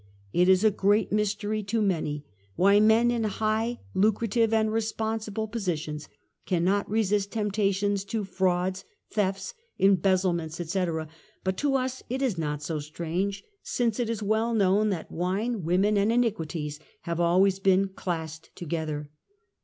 It is a great mystery to many, why men in high^, lucrative and responsible positions cannot resist temp tations to frauds, thefts, embezzlements, etc., but to us it is not so strange since it is well known that "wine, women and iniquities" have always been' classed together.